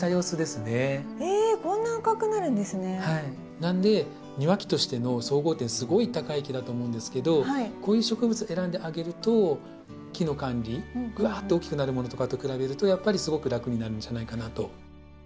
なので庭木としての総合点すごい高い木だと思うんですけどこういう植物選んであげると木の管理ぐわっと大きくなるものとかと比べるとやっぱりすごく楽になるんじゃないかなと。